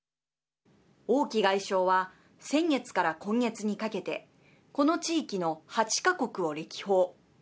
王毅外相は先月から今月にかけてこの地域の８か国を歴訪。